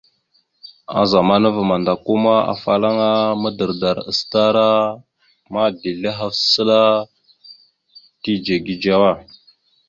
A zamana ava mandako, afalaŋa madardar acətara dezl ma, dezl ahaf səla tidze gidzewa.